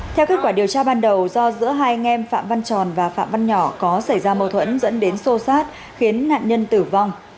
theo kết quả điều tra ban đầu do giữa hai anh em phạm văn tròn và phạm văn nhỏ có xảy ra mâu thuẫn dẫn đến xô xát khiến nạn nhân tử vong